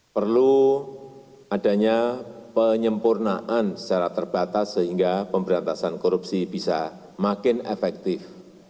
perlu adanya penyempurnaan secara terbatas sehingga pemberantasan korupsi bisa makin efektif